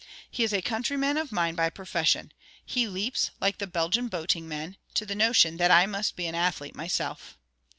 He is a countryman of mine by profession. He leaps, like the Belgian boating men, to the notion that I must be an athlete myself.